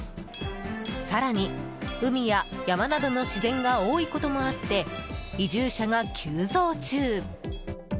更に海や山などの自然が多いこともあって移住者が急増中！